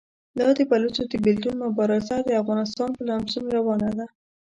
دا د بلوڅو د بېلتون مبارزه د افغانستان په لمسون روانه ده.